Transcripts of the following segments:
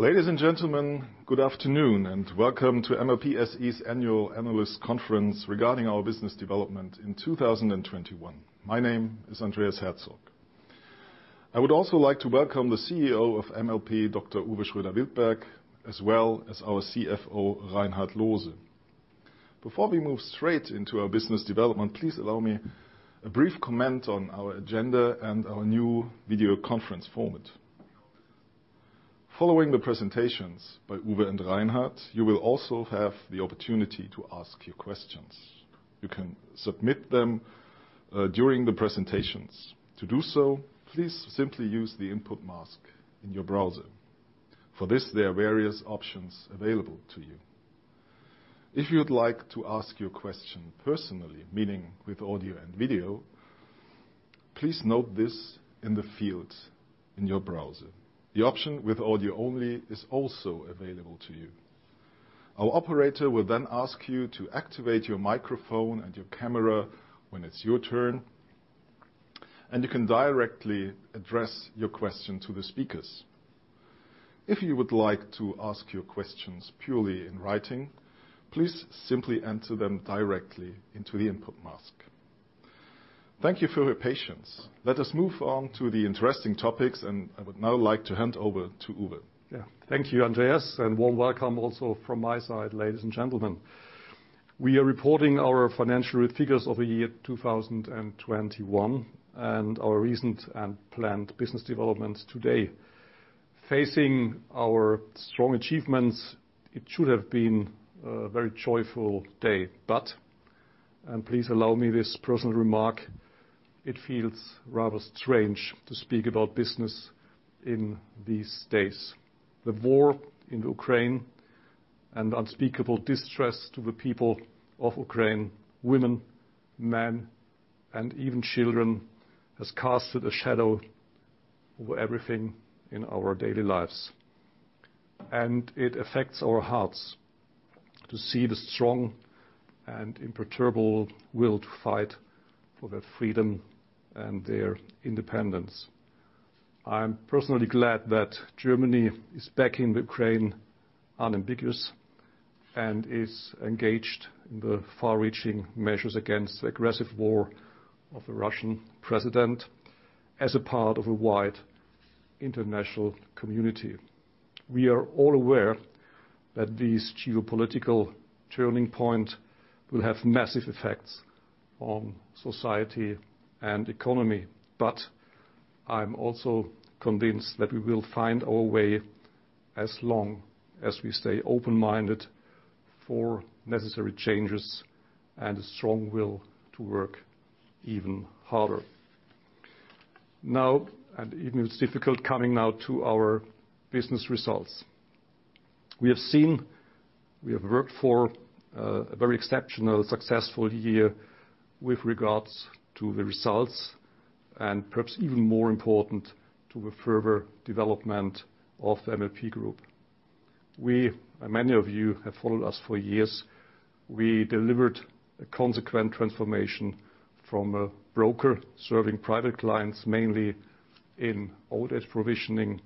Ladies and gentlemen, good afternoon, and welcome to MLP SE's annual analyst conference regarding our business development in 2021. My name is Andreas Herzog. I would also like to welcome the CEO of MLP, Dr. Uwe Schroeder-Wildberg, as well as our CFO, Reinhard Loose. Before we move straight into our business development, please allow me a brief comment on our agenda and our new video conference format. Following the presentations by Uwe and Reinhard, you will also have the opportunity to ask your questions. You can submit them during the presentations. To do so, please simply use the input mask in your browser. For this, there are various options available to you. If you'd like to ask your question personally, meaning with audio and video, please note this in the fields in your browser. The option with audio only is also available to you. Our operator will then ask you to activate your microphone and your camera when it's your turn, and you can directly address your question to the speakers. If you would like to ask your questions purely in writing, please simply enter them directly into the input mask. Thank you for your patience. Let us move on to the interesting topics, and I would now like to hand over to Uwe. Yeah. Thank you, Andreas, and warm welcome also from my side, ladies and gentlemen. We are reporting our financial figures of the year 2021 and our recent and planned business developments today. Facing our strong achievements, it should have been a very joyful day. Please allow me this personal remark, it feels rather strange to speak about business in these days. The war in Ukraine and unspeakable distress to the people of Ukraine, women, men, and even children, has cast a shadow over everything in our daily lives. It affects our hearts to see the strong and imperturbable will to fight for their freedom and their independence. I'm personally glad that Germany is backing Ukraine unambiguously and is engaged in the far-reaching measures against the aggressive war of the Russian president as a part of a wide international community. We are all aware that this geopolitical turning point will have massive effects on society and economy, but I'm also convinced that we will find our way as long as we stay open-minded for necessary changes and a strong will to work even harder. Now, even if it's difficult, coming now to our business results, we have worked for a very exceptionally successful year with regards to the results, and perhaps even more important, to the further development of the MLP Group. Many of you have followed us for years. We delivered a consistent transformation from a broker serving private clients, mainly in old-age provisioning,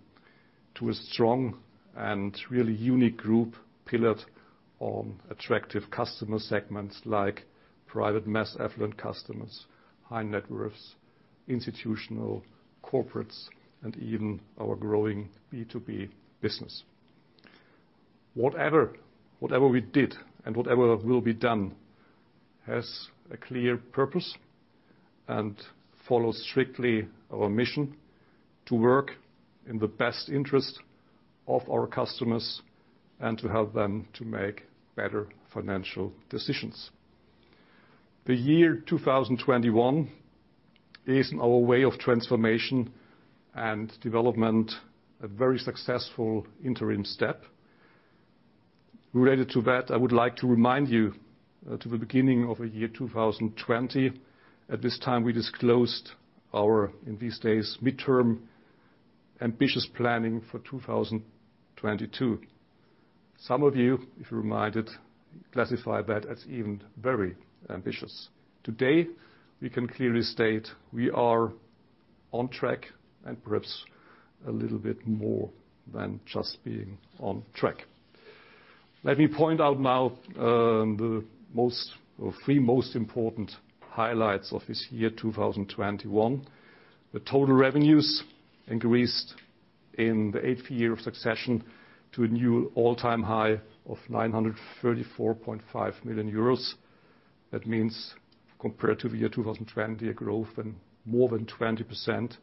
to a strong and really unique group pillared on attractive customer segments like private mass affluent customers, high net worths, institutional corporates, and even our growing B2B business. Whatever we did and whatever will be done has a clear purpose and follows strictly our mission to work in the best interest of our customers and to help them to make better financial decisions. The year 2021 is in our way of transformation and development, a very successful interim step. Related to that, I would like to remind you to the beginning of the year 2020. At this time, we disclosed our, in these days, medium-term ambitious planning for 2022. Some of you, if you remember it, classified that as even very ambitious. Today, we can clearly state we are on track and perhaps a little bit more than just being on track. Let me point out now the three most important highlights of this year, 2021. The total revenues increased in the eighth year of succession to a new all-time high of 934.5 million euros. That means compared to the year 2020, a growth in more than 20%.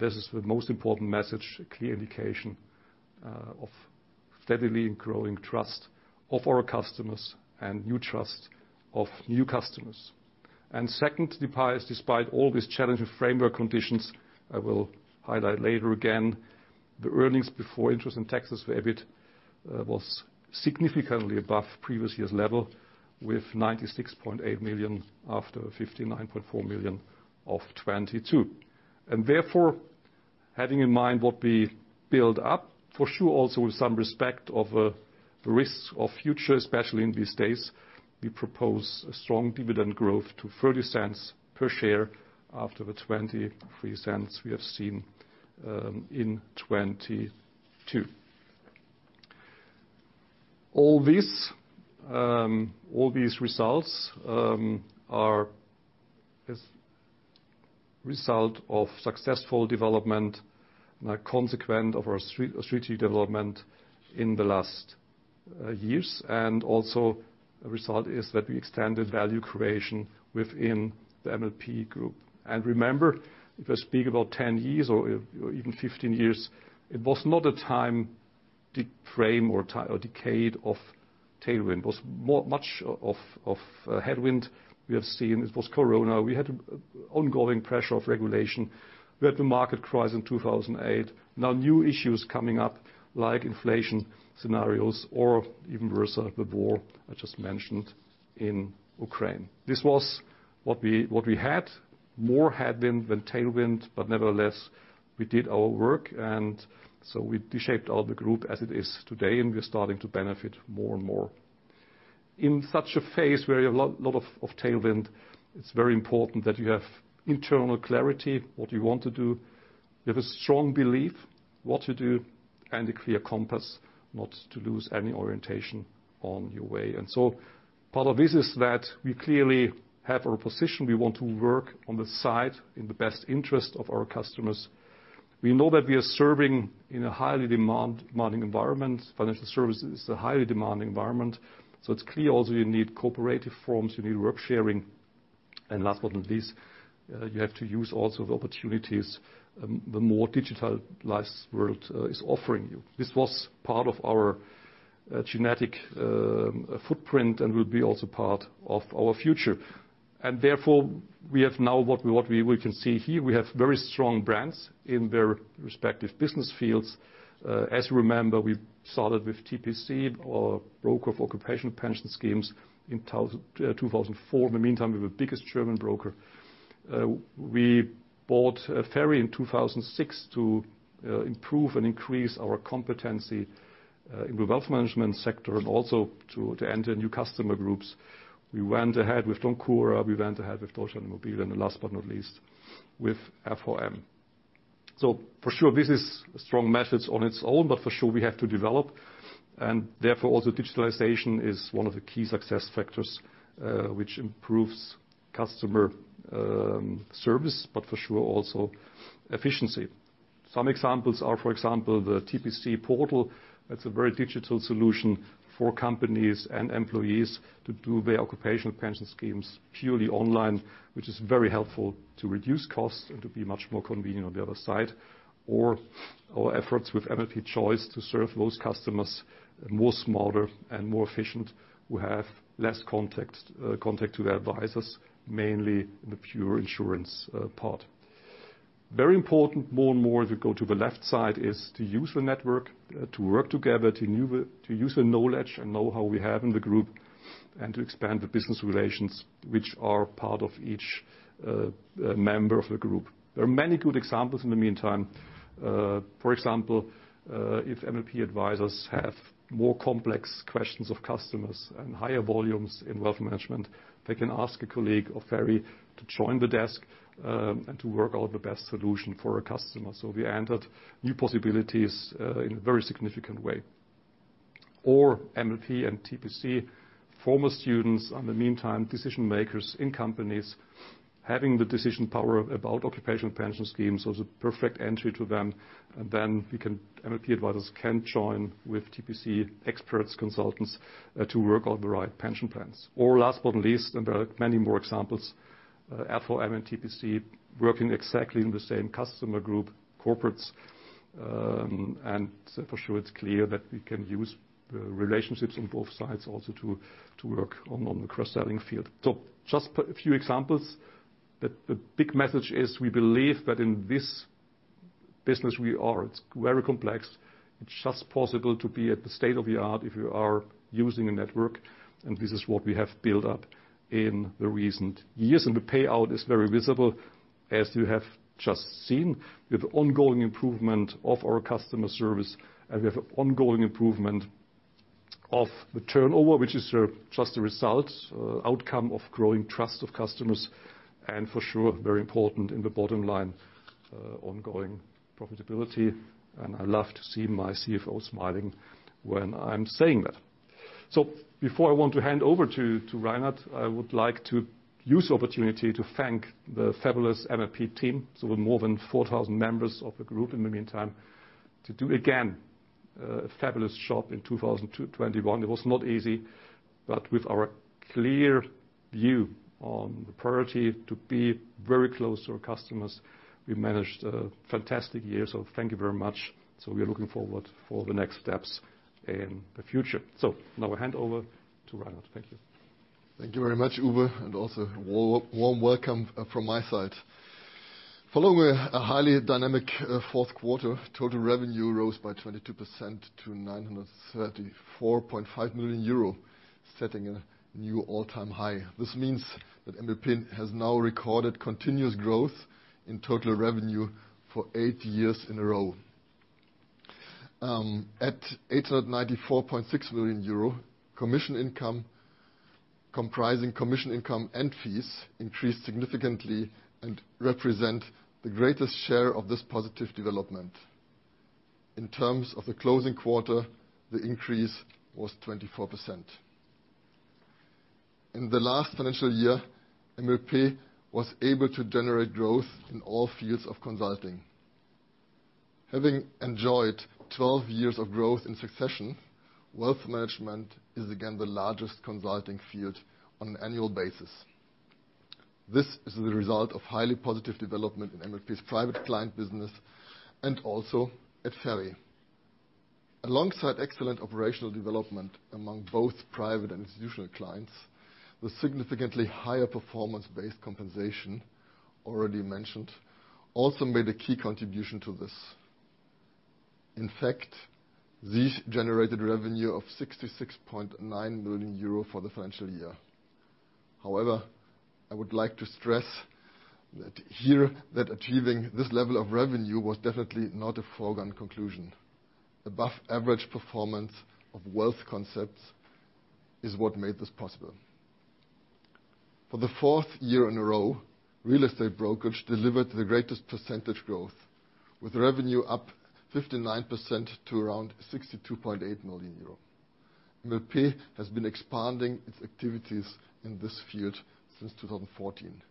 This is the most important message, a clear indication of steadily growing trust of our customers and new trust of new customers. Second to the price, despite all these challenging framework conditions, I will highlight later again, the earnings before interest and taxes was significantly above previous years' level with 96.8 million after 59.4 million of 2022. Therefore, having in mind what we build up, for sure also with respect to the risks of future, especially in these days, we propose a strong dividend growth to 0.30 per share after the 0.23 we have seen in 2022. All this, all these results are a result of successful development and a consequence of our strategic development in the last years. Also a result is that we extended value creation within the MLP Group. Remember, if I speak about 10 years or even 15 years, it was not a time frame or decade of tailwind. It was much more headwind we have seen, it was Corona. We had ongoing pressure of regulation. We had the market crisis in 2008. New issues coming up like inflation scenarios or even vice versa, the war I just mentioned in Ukraine. This was what we had. More headwind than tailwind, but nevertheless, we did our work. We shaped all the group as it is today, and we're starting to benefit more and more. In such a phase where you have lot of tailwind, it's very important that you have internal clarity, what you want to do. You have a strong belief what to do and a clear compass not to lose any orientation on your way. Part of this is that we clearly have our position. We want to work on the side in the best interest of our customers. We know that we are serving in a highly demanding environment. Financial services is a highly demanding environment. It's clear also you need cooperative forms, you need work sharing. Last but not least, you have to use also the opportunities, the more digitalized world is offering you. This was part of our genetic footprint and will be also part of our future. Therefore, we have now what we can see here, we have very strong brands in their respective business fields. As you remember, we started with TPC, our broker for occupational pension schemes in 2004. In the meantime, we're the biggest German broker. We bought FERI in 2006 to improve and increase our competency in the wealth management sector and also to enter new customer groups. We went ahead with DOMCURA. We went ahead with DEUTSCHLAND.Immobilien. Last but not least, with FOM. For sure, this is strong merits on its own, but for sure we have to develop. Therefore, also digitalization is one of the key success factors, which improves customer service, but for sure also efficiency. Some examples are, for example, the TPC Portal. That's a very digital solution for companies and employees to do their occupational pension schemes purely online, which is very helpful to reduce costs and to be much more convenient on the other side, or our efforts with MLP Choice to serve those customers more smarter and more efficient, who have less contact to their advisors, mainly in the pure insurance part. Very important, more and more as we go to the left side, is to use the network to work together, to new, to use the knowledge and know-how we have in the group and to expand the business relations which are part of each member of the group. There are many good examples in the meantime. For example, if MLP advisors have more complex questions of customers and higher volumes in wealth management, they can ask a colleague of FERI to join the desk and to work out the best solution for a customer. We entered new possibilities in a very significant way. MLP and TPC, former students in the meantime, decision makers in companies having the decision power about occupational pension schemes. It's a perfect entry to them. MLP advisors can join with TPC experts, consultants, to work on the right pension plans. Last but not least, and there are many more examples, FOM and TPC working exactly in the same customer group, corporates. For sure, it's clear that we can use the relationships on both sides also to work on the cross-selling field. Just a few examples. The big message is we believe that in this business we are, it's very complex. It's just possible to be at the state-of-the-art if you are using a network, and this is what we have built up in the recent years. The payout is very visible, as you have just seen. We have ongoing improvement of our customer service, and we have ongoing improvement of the turnover, which is just a result, outcome of growing trust of customers, and for sure, very important in the bottom line, ongoing profitability. I love to see my CFO smiling when I'm saying that. Before I want to hand over to Reinhard, I would like to use the opportunity to thank the fabulous MLP team. We're more than 4,000 members of the group in the meantime. They did again a fabulous job in 2021. It was not easy, but with our clear view on the priority to be very close to our customers, we managed a fantastic year. Thank you very much. We are looking forward for the next steps in the future. Now I hand over to Reinhard. Thank you. Thank you very much, Uwe, and also warm welcome from my side. Following a highly dynamic fourth quarter, total revenue rose by 22% to 934.5 million euro, setting a new all-time high. This means that MLP has now recorded continuous growth in total revenue for eight years in a row. At 894.6 million euro, commission income, comprising commissions and fees, increased significantly and represent the greatest share of this positive development. In terms of the closing quarter, the increase was 24%. In the last financial year, MLP was able to generate growth in all fields of consulting. Having enjoyed 12 years of growth in succession, wealth management is again the largest consulting field on an annual basis. This is the result of highly positive development in MLP's private client business, and also at FERI. Alongside excellent operational development among both private and institutional clients, the significantly higher performance-based compensation already mentioned also made a key contribution to this. In fact, these generated revenue of 66.9 million euro for the financial year. However, I would like to stress that here, that achieving this level of revenue was definitely not a foregone conclusion. Above average performance of wealth concepts is what made this possible. For the fourth year in a row, real estate brokerage delivered the greatest percentage growth, with revenue up 59% to around 62.8 million euro. MLP has been expanding its activities in this field since 2014.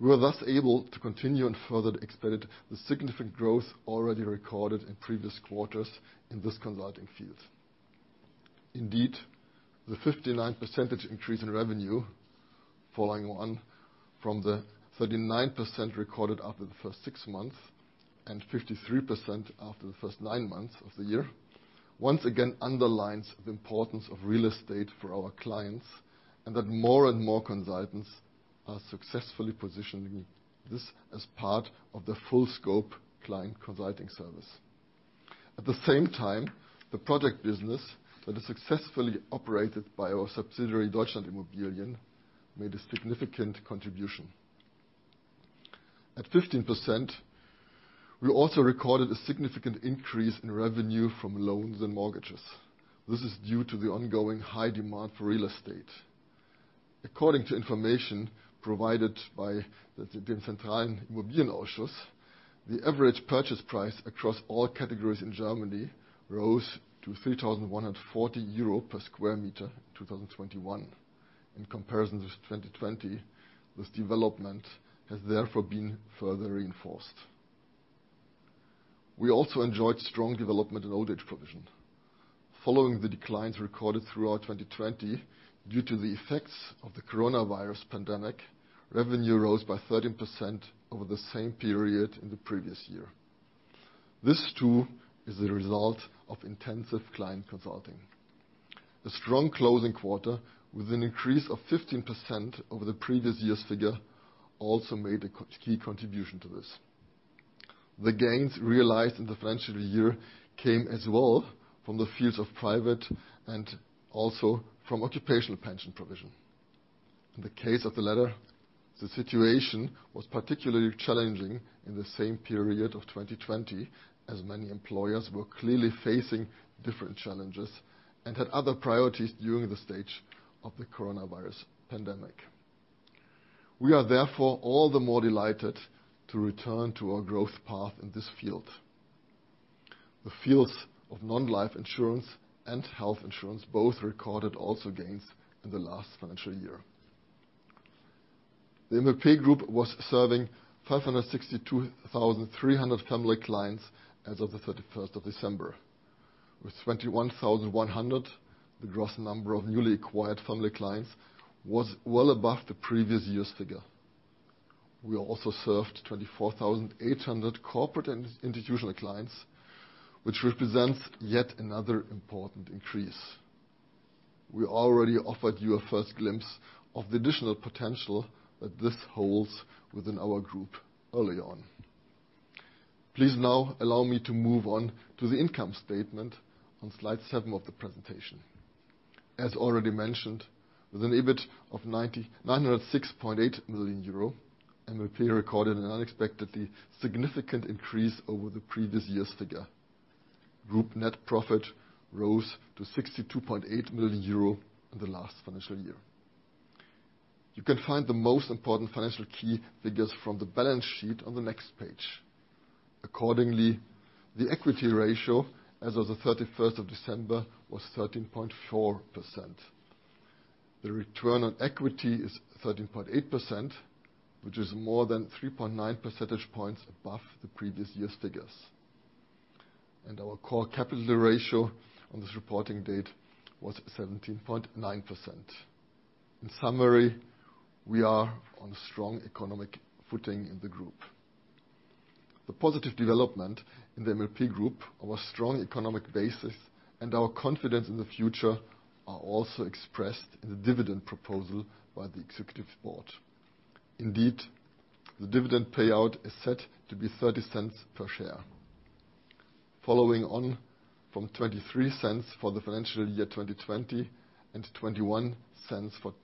We were thus able to continue and further expedite the significant growth already recorded in previous quarters in this consulting field. Indeed, the 59% increase in revenue, following on from the 39% recorded after the first six months, and 53% after the first nine months of the year, once again underlines the importance of real estate for our clients, and that more and more consultants are successfully positioning this as part of the full scope client consulting service. At the same time, the product business that is successfully operated by our subsidiary, DEUTSCHLAND.Immobilien, made a significant contribution. At 15%, we also recorded a significant increase in revenue from loans and mortgages. This is due to the ongoing high demand for real estate. According to information provided by the Zentraler Immobilien Ausschuss, the average purchase price across all categories in Germany rose to 3,140 euro/sq m in 2021. In comparison to 2020, this development has therefore been further reinforced. We also enjoyed strong development in old age provision. Following the declines recorded throughout 2020 due to the effects of the coronavirus pandemic, revenue rose by 13% over the same period in the previous year. This too is the result of intensive client consulting. The strong closing quarter, with an increase of 15% over the previous year's figure, also made a key contribution to this. The gains realized in the financial year came as well from the fields of private and also from occupational pension provision. In the case of the latter, the situation was particularly challenging in the same period of 2020, as many employers were clearly facing different challenges and had other priorities during the stage of the coronavirus pandemic. We are therefore all the more delighted to return to our growth path in this field. The fields of non-life insurance and health insurance both recorded also gains in the last financial year. The MLP Group was serving 562,300 family clients as of the 31st of December. With 21,100, the gross number of newly acquired family clients was well above the previous year's figure. We also served 24,800 corporate and institutional clients, which represents yet another important increase. We already offered you a first glimpse of the additional potential that this holds within our group early on. Please now allow me to move on to the income statement on slide seven of the presentation. As already mentioned, with an EBIT of 996.8 million euro, MLP recorded an unexpectedly significant increase over the previous year's figure. Group net profit rose to 62.8 million euro in the last financial year. You can find the most important financial key figures from the balance sheet on the next page. Accordingly, the equity ratio as of the 31st of December was 13.4%. The return on equity is 13.8%, which is more than 3.9 percentage points above the previous year's figures. Our core capital ratio on this reporting date was 17.9%. In summary, we are on strong economic footing in the group. The positive development in the MLP Group, our strong economic basis, and our confidence in the future are also expressed in the dividend proposal by the Executive Board. Indeed, the dividend payout is set to be 0.30 per share. Following on from 0.23 for the financial year 2020 and 0.21 for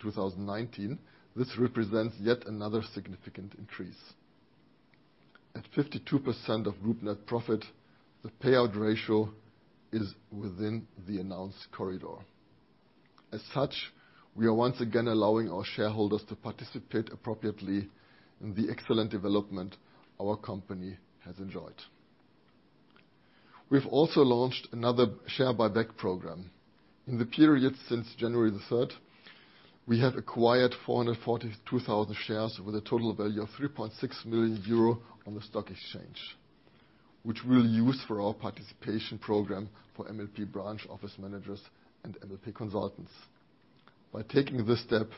2019, this represents yet another significant increase. At 52% of group net profit, the payout ratio is within the announced corridor. As such, we are once again allowing our shareholders to participate appropriately in the excellent development our company has enjoyed. We've also launched another share buyback program. In the period since January 3rd, we have acquired 442,000 shares with a total value of 3.6 million euro on the stock exchange, which we'll use for our participation program for MLP branch office managers and MLP consultants. By taking this step,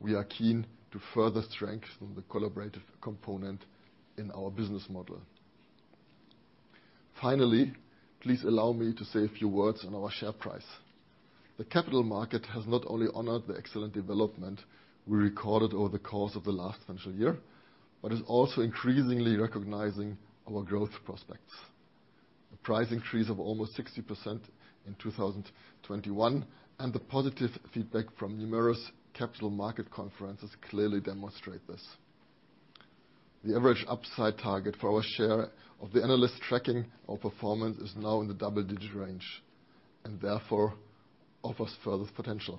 we are keen to further strengthen the collaborative component in our business model. Finally, please allow me to say a few words on our share price. The capital market has not only honored the excellent development we recorded over the course of the last financial year, but is also increasingly recognizing our growth prospects. The price increase of almost 60% in 2021, and the positive feedback from numerous capital market conferences clearly demonstrate this. The average upside target for our share from the analysts tracking our performance is now in the double-digit range, and therefore offers further potential.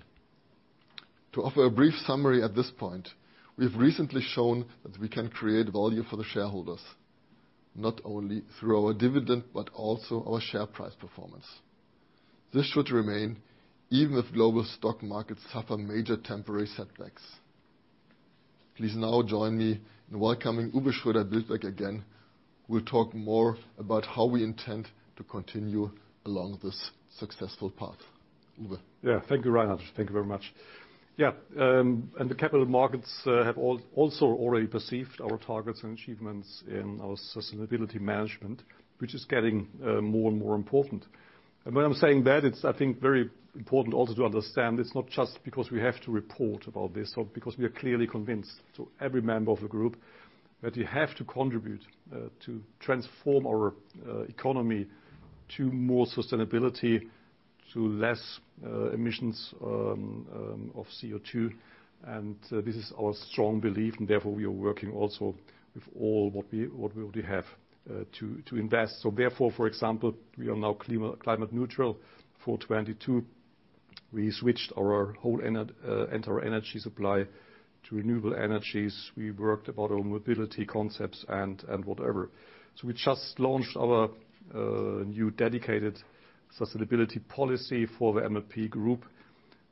To offer a brief summary at this point, we've recently shown that we can create value for the shareholders, not only through our dividend, but also our share price performance. This should remain even if global stock markets suffer major temporary setbacks. Please now join me in welcoming Uwe Schroeder-Wildberg again, who will talk more about how we intend to continue along this successful path. Uwe? Yeah. Thank you, Reinhard. Thank you very much. Yeah, the capital markets have also already perceived our targets and achievements in our sustainability management, which is getting more and more important. When I'm saying that, it's, I think, very important also to understand it's not just because we have to report about this or because we are clearly convinced to every member of the group that we have to contribute to transform our economy to more sustainability, to less emissions of CO2. This is our strong belief and therefore we are working also with all what we already have to invest. Therefore, for example, we are now climate neutral for 2022. We switched our whole energy supply to renewable energies. We worked about our mobility concepts and whatever. We just launched our new dedicated sustainability policy for the MLP Group.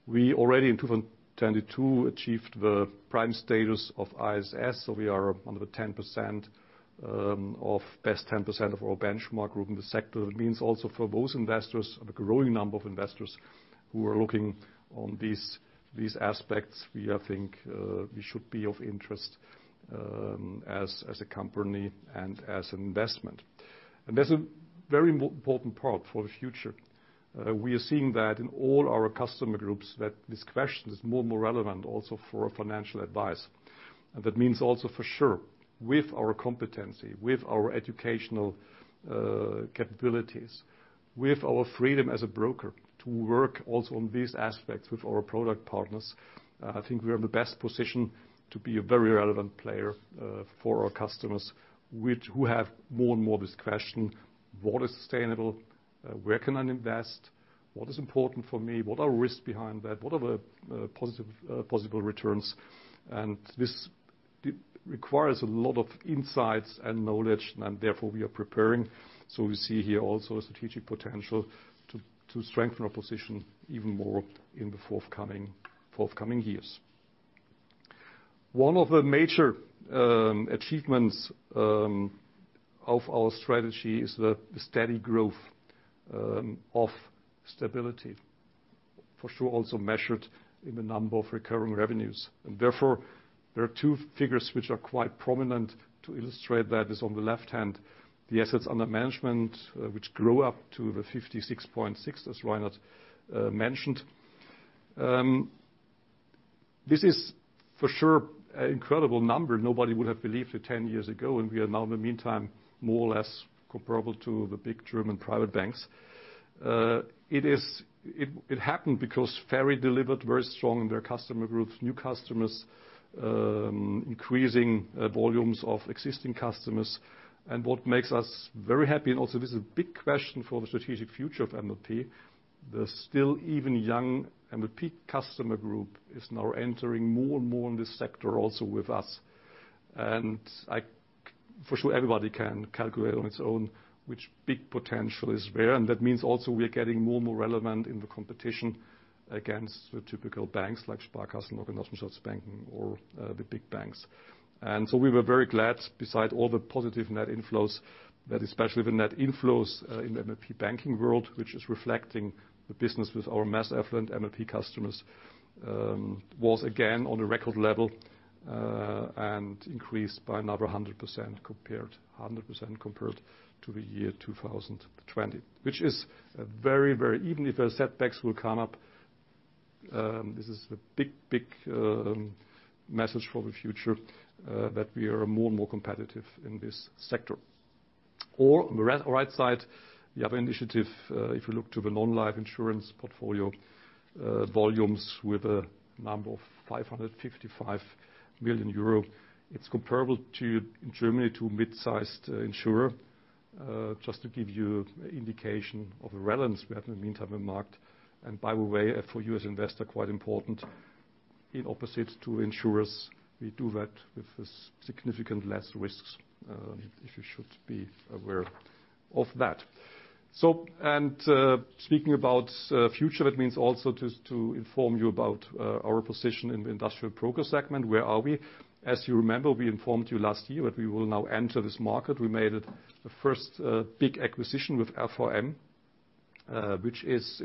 We already in 2022 achieved the Prime status of ISS, we are one of the best 10% of our benchmark group in the sector. That means also for those investors, the growing number of investors, who are looking on these aspects, I think we should be of interest as a company and as investment. That's a very important part for the future. We are seeing that in all our customer groups that this question is more and more relevant also for financial advice. That means also for sure, with our competency, with our educational capabilities, with our freedom as a broker to work also on these aspects with our product partners, I think we are in the best position to be a very relevant player for our customers who have more and more this question. What is sustainable? Where can I invest? What is important for me? What are risks behind that? What are the positive possible returns? This requires a lot of insights and knowledge, and therefore we are preparing. We see here also a strategic potential to strengthen our position even more in the forthcoming years. One of the major achievements of our strategy is the steady growth of stability. For sure, also measured in the number of recurring revenues. Therefore, there are two figures which are quite prominent. To illustrate that is on the left hand, the assets under management, which grew up to 56.6, as Reinhard mentioned. This is for sure an incredible number. Nobody would have believed it 10 years ago, and we are now in the meantime more or less comparable to the big German private banks. It happened because FERI delivered very strong in their customer groups, new customers, increasing volumes of existing customers. What makes us very happy, and also this is a big question for the strategic future of MLP, the still even young MLP customer group is now entering more and more in this sector also with us. For sure, everybody can calculate on its own which big potential is where. That means also we are getting more and more relevant in the competition against the typical banks, like Sparkassen or Genossenschaftsbanken or the big banks. We were very glad besides all the positive net inflows that especially the net inflows in the MLP Banking world, which is reflecting the business with our mass affluent MLP customers, was again on a record level and increased by another 100% compared to the year 2020. Even if the setbacks will come up, this is a big message for the future that we are more and more competitive in this sector. On the right side, the other initiative, if you look to the non-life insurance portfolio, volumes with a number of 555 million euro. It's comparable to, in Germany, to a mid-sized insurer. Just to give you an indication of the relevance we have in the meantime in market. By the way, for you as investor, quite important in opposition to insurers, we do that with significant less risks, if you should be aware of that. Speaking about future, that means also to inform you about our position in the industrial broker segment. Where are we? As you remember, we informed you last year that we will now enter this market. We made it the first big acquisition with RVM, which is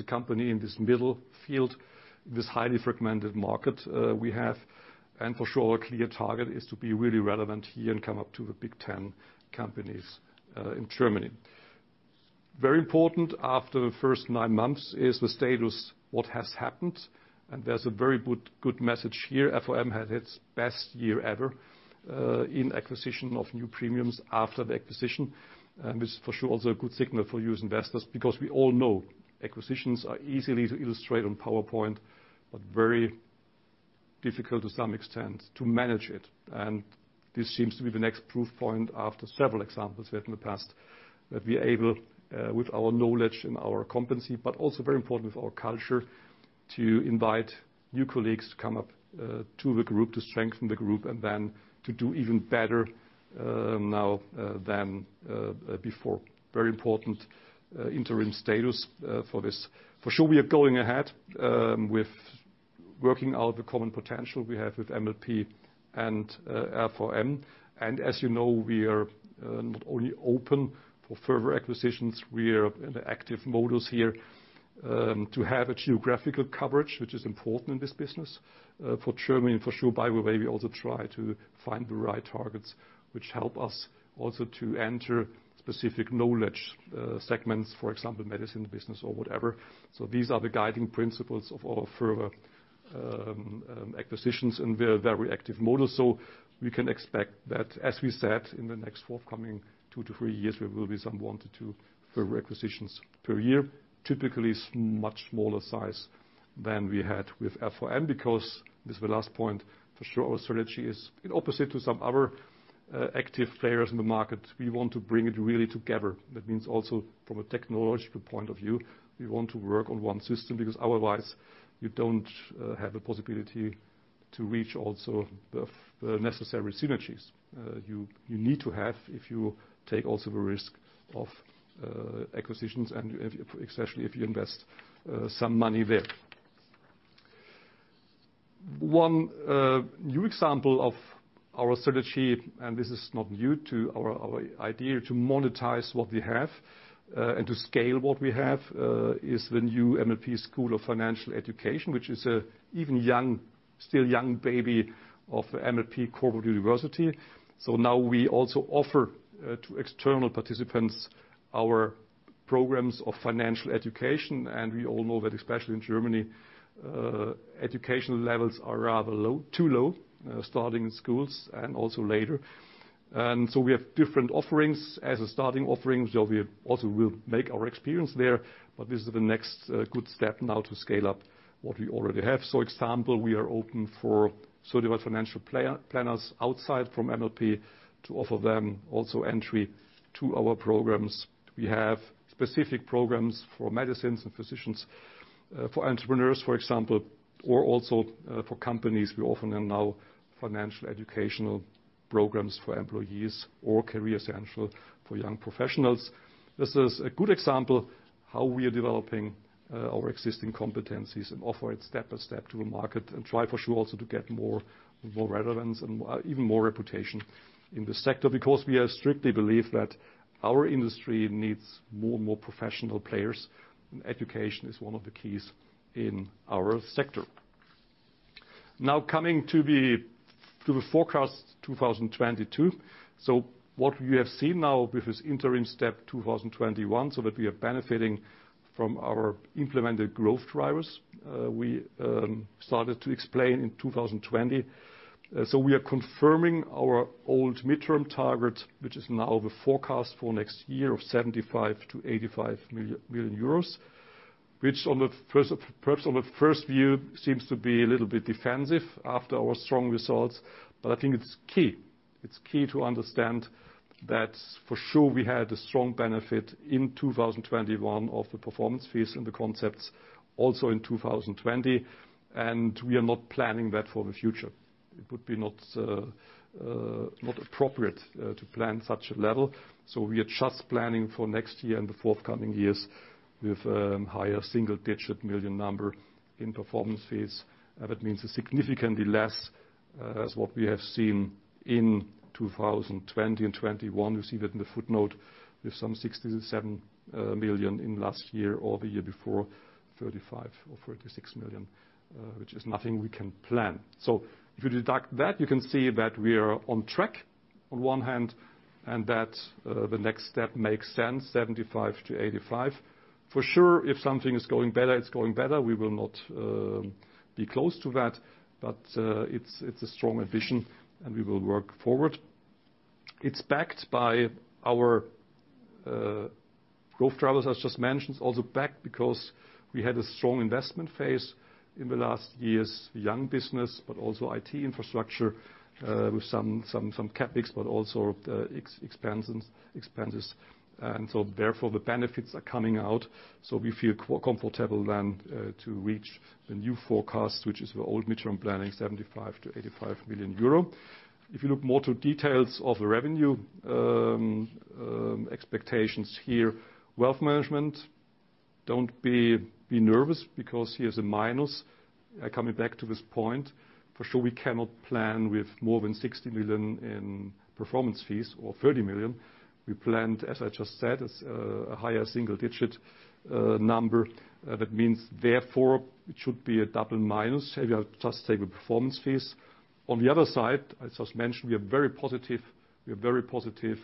a company in this middle field, this highly fragmented market we have. For sure, a clear target is to be really relevant here and come up to the big 10 companies in Germany. Very important after the first nine months is the status, what has happened. There's a very good message here, FOM had its best year ever in acquisition of new premiums after the acquisition. This, for sure, also a good signal for you as investors because we all know acquisitions are easy to illustrate on PowerPoint, but very difficult to some extent to manage it. This seems to be the next proof point after several examples we had in the past, that we're able with our knowledge and our competency, but also very important with our culture, to invite new colleagues to come up to the group, to strengthen the group, and then to do even better now than before. Very important interim status for this. For sure, we are going ahead with working out the common potential we have with MLP and FOM. As you know, we are not only open for further acquisitions, we are in an active mode here to have a geographical coverage, which is important in this business for Germany and for sure, by the way, we also try to find the right targets which help us also to enter specific knowledge segments, for example, medicine business or whatever. These are the guiding principles of our further acquisitions, and we're a very active mode. We can expect that, as we said, in the next forthcoming two-three years, there will be some one-two further acquisitions per year. Typically, it's much smaller size than we had with FOM because this is the last point. For sure, our strategy is in opposition to some other active players in the market. We want to bring it really together. That means also from a technological point of view, we want to work on one system because otherwise you don't have the possibility to reach also the necessary synergies you need to have if you take also the risk of acquisitions and especially if you invest some money there. One new example of our strategy, and this is not new to our idea to monetize what we have and to scale what we have, is the new MLP School of Financial Education, which is an even young, still young baby of MLP Corporate University. Now we also offer to external participants our programs of financial education. We all know that especially in Germany, educational levels are rather low, too low, starting in schools and also later. We have different offerings. As a starting offering, we also will make our experience there, but this is the next good step now to scale up what we already have. For example, we are open for certified financial planners outside from MLP to offer them also entry to our programs. We have specific programs for medics and physicians, for entrepreneurs, for example, or also for companies. We often run now financial educational programs for employees or career central for young professionals. This is a good example how we are developing our existing competencies and offer it step-by-step to the market and try for sure also to get more relevance and even more reputation in this sector, because we strictly believe that our industry needs more and more professional players, and education is one of the keys in our sector. Now coming to the forecast 2022. What we have seen now with this interim step 2021, so that we are benefiting from our implemented growth drivers, we started to explain in 2020. We are confirming our old midterm target, which is now the forecast for next year of 75 million-85 million euros. Which on the first view seems to be a little bit defensive after our strong results. I think it's key. It's key to understand that for sure we had a strong benefit in 2021 of the performance fees and the concepts also in 2020, and we are not planning that for the future. It would not be appropriate to plan such a level. We are just planning for next year and the forthcoming years with higher single-digit million number in performance fees. That means significantly less than what we have seen in 2020 and 2021. You see that in the footnote with some 67 million in last year or the year before, 35 million or 36 million, which is nothing we can plan. If you deduct that, you can see that we are on track on one hand and that the next step makes sense, 75 million-85 million. For sure, if something is going better, it's going better. We will not be close to that, but it's a strong ambition and we will work forward. It's backed by our growth drivers, as just mentioned. Also backed because we had a strong investment phase in the last years. Young business, but also IT infrastructure with some CapEx, but also expenses. Therefore, the benefits are coming out. We feel more comfortable then to reach the new forecast, which is the old midterm planning, 75 million-85 million euro. If you look more to details of the revenue expectations here. Wealth management, don't be nervous because here is a minus. Coming back to this point, for sure we cannot plan with more than 60 million in performance fees or 30 million. We planned, as I just said, a higher single-digit number. That means therefore it should be a double minus. Maybe I'll just take the performance fees. On the other side, I just mentioned, we are very positive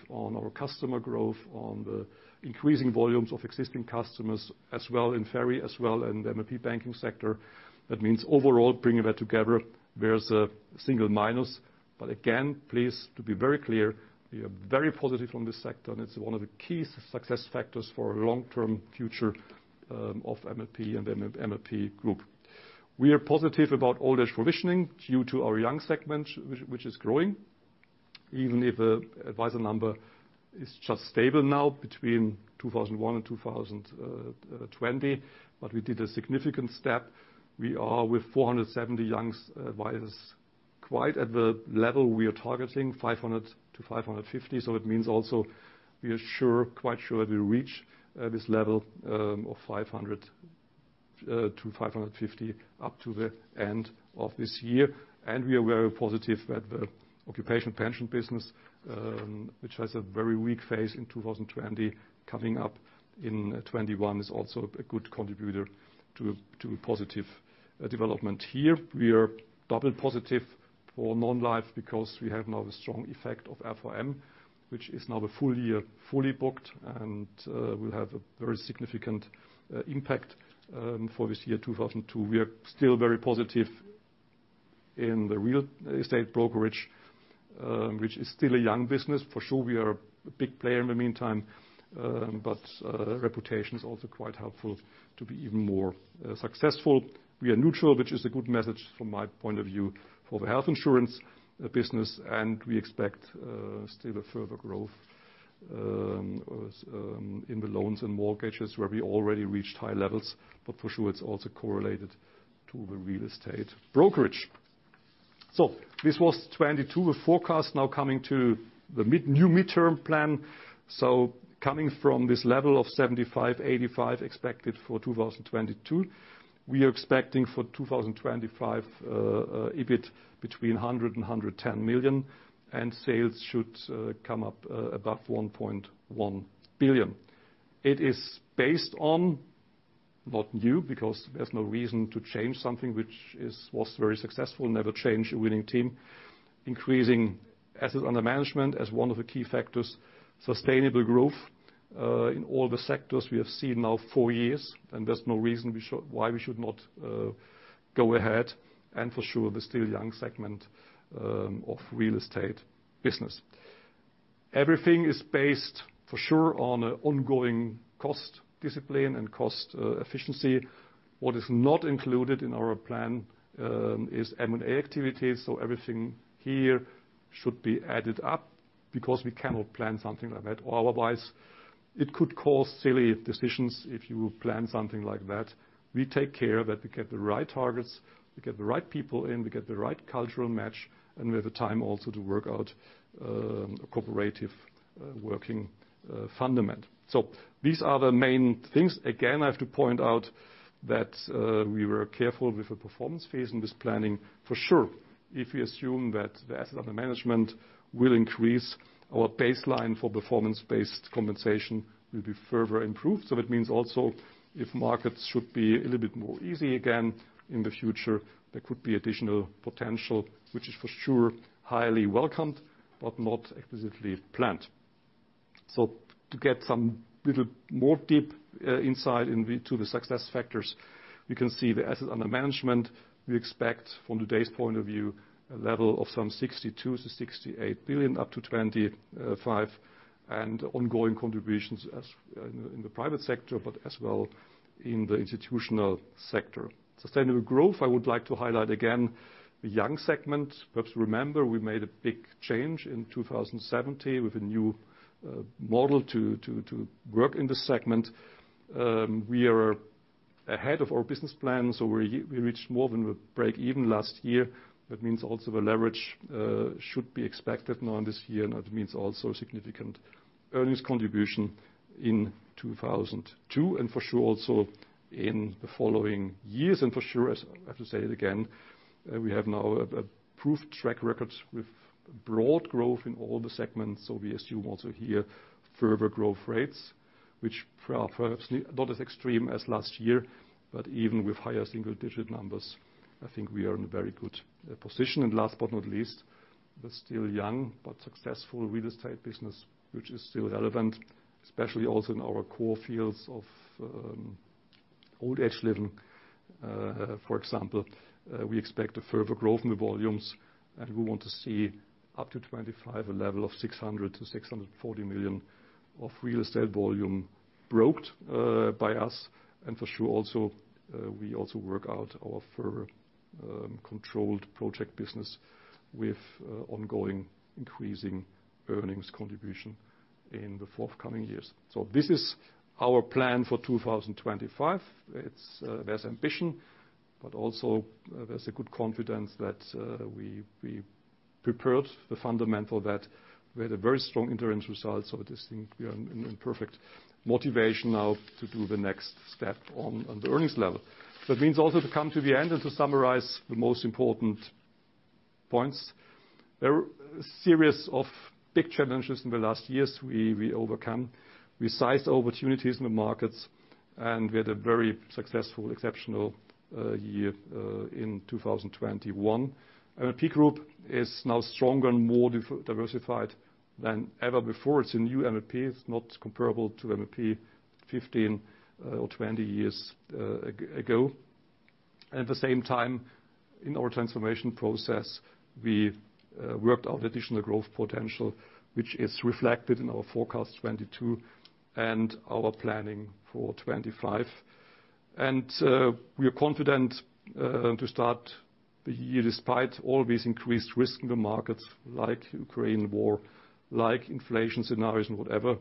on our customer growth, on the increasing volumes of existing customers, as well in FERI, as well in MLP Banking sector. That means overall, bringing that together, there's a single minus. Again, please, to be very clear, we are very positive on this sector, and it's one of the key success factors for long-term future of MLP and MLP Group. We are positive about old age provisioning due to our young segment which is growing. Even if the advisor number is just stable now between 2001 and 2020. We did a significant step. We are with 470 young advisors, quite at the level we are targeting, 500-550. It means also we are sure, quite sure we reach this level of 500-550 up to the end of this year. We are very positive that the occupational pension business, which has a very weak phase in 2020, coming up in 2021 is also a good contributor to a positive development here. We are double positive for non-life because we have now the strong effect of RVM, which is now the full year, fully booked, and will have a very significant impact for this year, 2022. We are still very positive in the real estate brokerage, which is still a young business. For sure, we are a big player in the meantime, but reputation is also quite helpful to be even more successful. We are neutral, which is a good message from my point of view, for the health insurance business. We expect still a further growth in the loans and mortgages, where we already reached high levels. For sure, it's also correlated to the real estate brokerage. This was 2022. The forecast now coming to the new medium-term plan. Coming from this level of 75 million-85 million expected for 2022. We are expecting for 2025, EBIT between 100 million-110 million, and sales should come up above 1.1 billion. It is based on what's new, because there's no reason to change something which was very successful. Never change a winning team. Increasing assets under management as one of the key factors. Sustainable growth in all the sectors we have seen over four years, and there's no reason why we should not go ahead. For sure, the still young segment of real estate business. Everything is based for sure on ongoing cost discipline and cost efficiency. What is not included in our plan is M&A activities. Everything here should be added up because we cannot plan something like that. Otherwise, it could cause silly decisions if you plan something like that. We take care that we get the right targets, we get the right people in, we get the right cultural match, and we have the time also to work out a cooperative working fundament. These are the main things. Again, I have to point out that we were careful with the performance fees in this planning. For sure, if we assume that the assets under management will increase, our baseline for performance-based compensation will be further improved. That means also if markets should be a little bit more easy again in the future, there could be additional potential, which is for sure highly welcomed, but not explicitly planned. To get some little more deep insight into the success factors, we can see the assets under management. We expect from today's point of view a level of some 62 billion-68 billion up to 2025, and ongoing contributions as in the private sector, but as well in the institutional sector. Sustainable growth. I would like to highlight again the young segment. Perhaps remember, we made a big change in 2017 with a new model to work in the segment. We are ahead of our business plan, so we reached more than the breakeven last year. That means also the leverage should be expected now in this year. That means also significant earnings contribution in 2022, and for sure also in the following years. For sure, as I have to say it again, we have now a proved track record with broad growth in all the segments. We assume also here further growth rates, which, for us, are perhaps not as extreme as last year. Even with higher single digit numbers, I think we are in a very good position. Last but not least, the still young but successful real estate business, which is still relevant, especially also in our core fields of old-aged living, for example, we expect further growth in the volumes, and we want to see up to 2025 a level of 600 million-640 million of real estate volume broked by us. For sure also, we work on our further controlled project business with ongoing increasing earnings contribution in the forthcoming years. This is our plan for 2025. There's ambition, but also there's a good confidence that we prepared the fundamentals that we had very strong insurance results. I just think we are in perfect position now to do the next step on the earnings level. That means also to come to the end and to summarize the most important points. There were a series of big challenges in the last years we overcome. We seized opportunities in the markets, and we had a very successful exceptional year in 2021. MLP Group is now stronger and more diversified than ever before. It's a new MLP. It's not comparable to MLP 15 or 20 years ago. At the same time, in our transformation process, we worked out additional growth potential, which is reflected in our forecast 2022 and our planning for 2025. We are confident to start the year despite all these increased risk in the markets like Ukraine war, like inflation scenarios and whatever.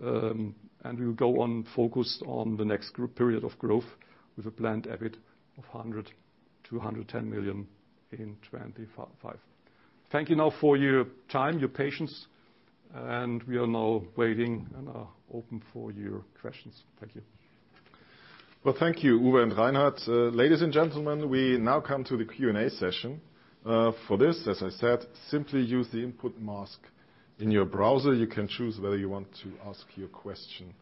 We will go on focused on the next period of growth with a planned EBIT of 100 million-110 million in 2025. Thank you now for your time, your patience, and we are now waiting and are open for your questions. Thank you. Well, thank you, Uwe and Reinhard. Ladies and gentlemen, we now come to the Q&A session. For this, as I said, simply use the input mask in your browser. You can choose whether you want to ask your question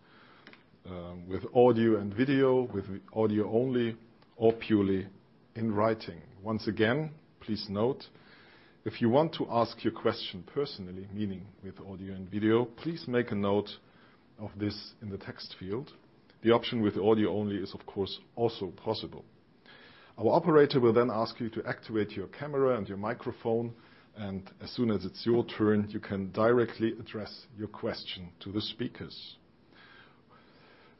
with audio and video, with audio only, or purely in writing. Once again, please note, if you want to ask your question personally, meaning with audio and video, please make a note of this in the text field. The option with audio only is, of course, also possible. Our operator will then ask you to activate your camera and your microphone, and as soon as it's your turn, you can directly address your question to the speakers.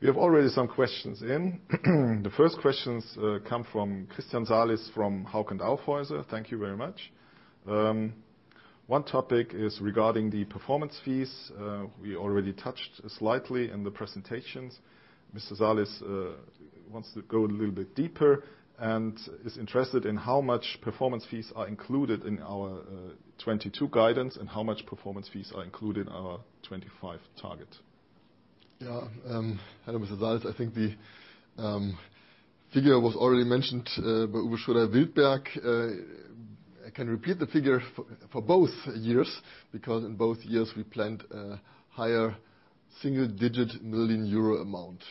We have already some questions in. The first questions come from Christian Salis from Hauck & Aufhäuser. Thank you very much. One topic is regarding the performance fees. We already touched slightly in the presentations. Mr. Salis wants to go a little bit deeper and is interested in how much performance fees are included in our 2022 guidance and how much performance fees are included in our 2025 target. Yeah. Hello, Mr. Salis. I think the figure was already mentioned by Uwe Schroeder-Wildberg. I can repeat the figure for both years because in both years, we planned a higher single-digit million EUR amount.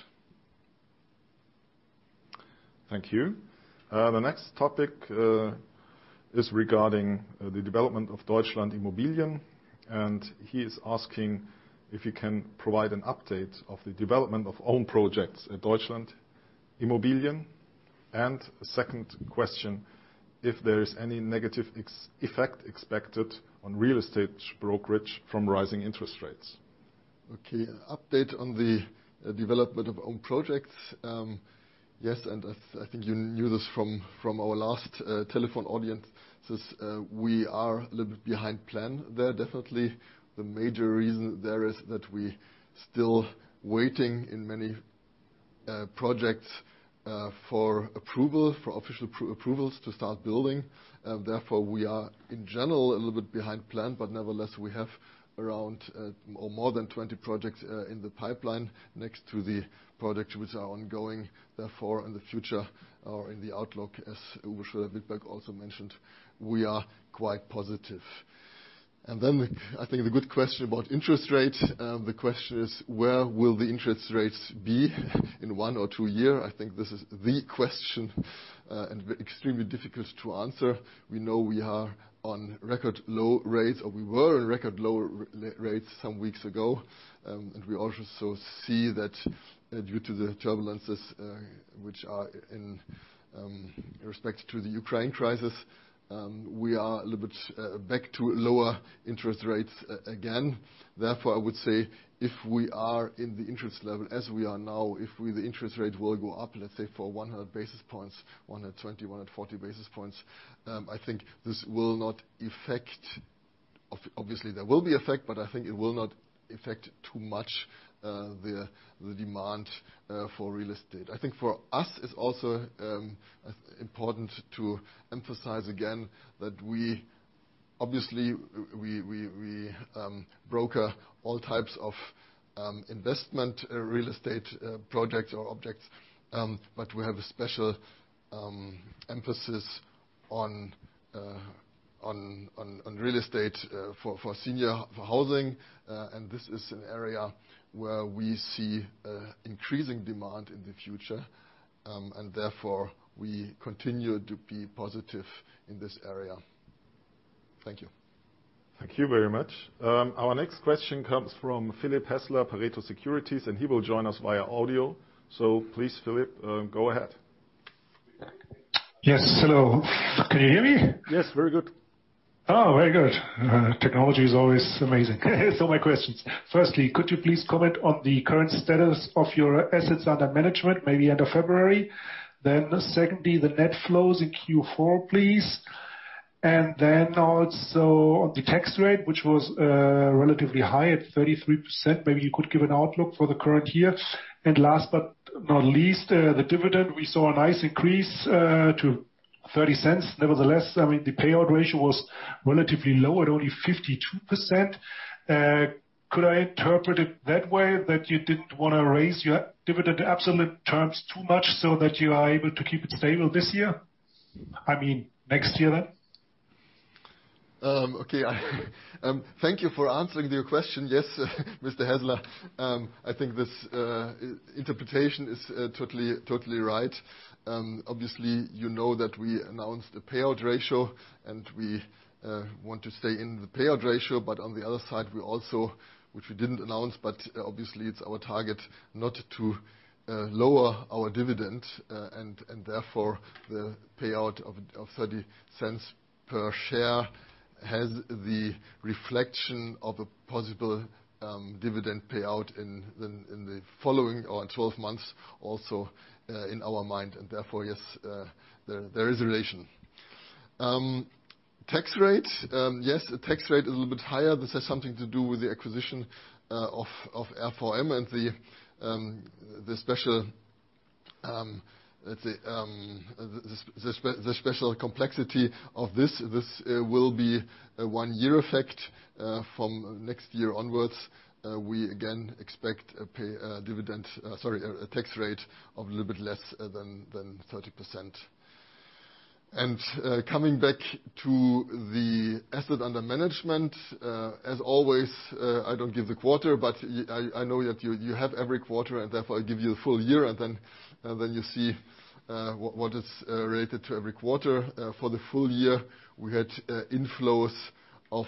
Thank you. The next topic is regarding the development of DEUTSCHLAND.Immobilien, and he is asking if you can provide an update of the development of own projects at DEUTSCHLAND.Immobilien. Second question, if there is any negative effect expected on real estate brokerage from rising interest rates. Okay. Update on the development of own projects. Yes, I think you knew this from our last telephone audience. We are a little bit behind plan there. Definitely, the major reason there is that we still waiting in many projects for approval, for official approvals to start building. Therefore, we are in general a little bit behind plan, but nevertheless, we have around or more than 20 projects in the pipeline next to the projects which are ongoing. Therefore, in the future or in the outlook, as Uwe Schroeder-Wildberg also mentioned, we are quite positive. I think the good question about interest rates. The question is, where will the interest rates be in one or two year? I think this is the question and extremely difficult to answer. We know we are on record low rates, or we were on record low rates some weeks ago. We also see that due to the turbulences, which are in respect to the Ukraine crisis, we are a little bit back to lower interest rates again. Therefore, I would say if we are in the interest level as we are now, if the interest rate will go up, let's say, for 100 basis points, 120, 140 basis points, I think this will not affect. Obviously, there will be effect, but I think it will not affect too much, the demand for real estate. I think for us, it's also important to emphasize again that we obviously broker all types of investment real estate projects or objects, but we have a special emphasis on real estate for senior housing. This is an area where we see increasing demand in the future, and therefore, we continue to be positive in this area. Thank you. Thank you very much. Our next question comes from Philipp Häßler, Pareto Securities, and he will join us via audio. Please, Philipp Häßler, go ahead. Yes. Hello. Can you hear me? Yes, very good. Oh, very good. Technology is always amazing. My questions: firstly, could you please comment on the current status of your assets under management, maybe end of February? Secondly, the net flows in Q4, please. Also on the tax rate, which was relatively high at 33%, maybe you could give an outlook for the current year. Last but not least, the dividend, we saw a nice increase to 0.30. Nevertheless, I mean, the payout ratio was relatively low at only 52%. Could I interpret it that way, that you didn't wanna raise your dividend absolute terms too much so that you are able to keep it stable this year? I mean, next year then. Thank you for answering your question. Yes, Mr. Häßler. I think this interpretation is totally right. Obviously, you know that we announced a payout ratio, and we want to stay in the payout ratio. On the other side, we also, which we didn't announce, but obviously it's our target not to lower our dividend, and therefore the payout of 0.30 per share has the reflection of a possible dividend payout in the following 12 months also in our mind, and therefore, yes, there is a relation. Tax rate. Yes, the tax rate is a little bit higher. This has something to do with the acquisition of RVM and the, let's say, special complexity of this. This will be a one-year effect from next year onwards. We again expect a tax rate of a little bit less than 30%. Coming back to the assets under management, as always, I don't give the quarter, but I know that you have every quarter, and therefore I give you the full year and then you see what is related to every quarter. For the full year, we had inflows of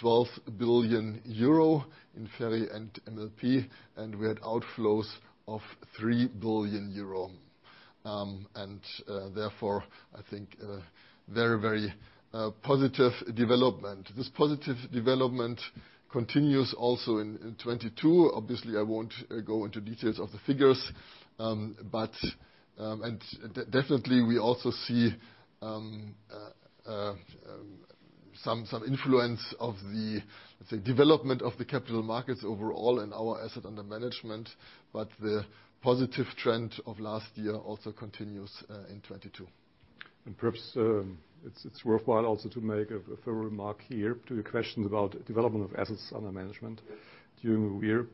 12 billion euro in FERI and MLP, and we had outflows of EUR 3 billion. Therefore, I think a very positive development. This positive development continues also in 2022. Obviously, I won't go into details of the figures. Definitely we also see some influence of the, say, development of the capital markets overall in our assets under management, but the positive trend of last year also continues in 2022. Perhaps it's worthwhile also to make a fair remark here to your questions about development of assets under management during the year.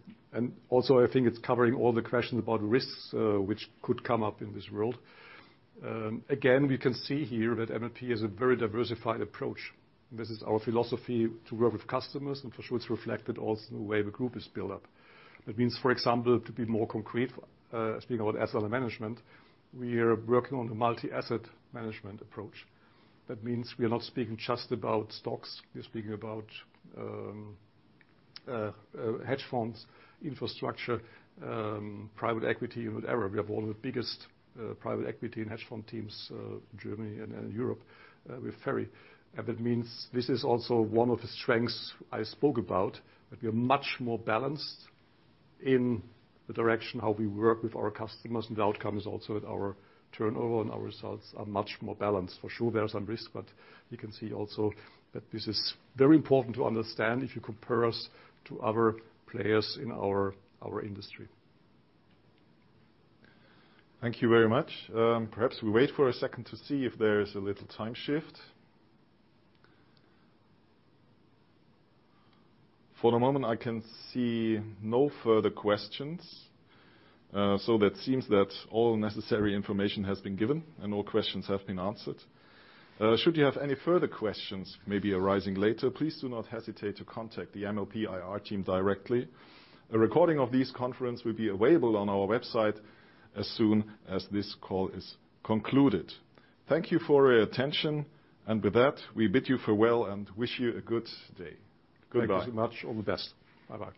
Also, I think it's covering all the questions about risks which could come up in this world. Again, we can see here that MLP is a very diversified approach. This is our philosophy to work with customers, and for sure it's reflected also in the way the group is built up. That means, for example, to be more concrete, speaking about assets under management, we are working on a multi-asset management approach. That means we are not speaking just about stocks. We are speaking about hedge funds, infrastructure, private equity, whatever. We have one of the biggest private equity and hedge fund teams in Germany and Europe with FERI. That means this is also one of the strengths I spoke about, that we are much more balanced in the direction how we work with our customers and the outcomes also with our turnover, and our results are much more balanced. For sure, there are some risks, but you can see also that this is very important to understand if you compare us to other players in our industry. Thank you very much. Perhaps we wait for a second to see if there is a little time shift. For the moment, I can see no further questions. So that seems that all necessary information has been given and all questions have been answered. Should you have any further questions maybe arising later, please do not hesitate to contact the MLP IR team directly. A recording of this conference will be available on our website as soon as this call is concluded. Thank you for your attention, and with that, we bid you farewell and wish you a good day. Goodbye. Thank you so much. All the best. Bye-bye. Bye-bye.